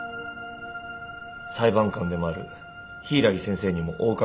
裁判官でもある柊木先生にもお伺いしたいんです。